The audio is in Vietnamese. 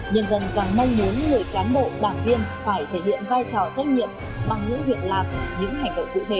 nhân dân càng mong muốn người cán bộ đảng viên phải thể hiện vai trò trách nhiệm bằng những việc làm những hành động cụ thể